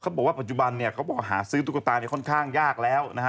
เขาบอกว่าปัจจุบันหาซื้อตุ๊กตามียกค่อนข้างยากแล้วนะฮะ